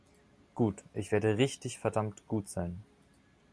Gut, ich werde richtig verdammt gut sein.